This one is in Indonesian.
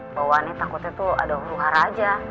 bahwa nih takutnya tuh ada huru hara aja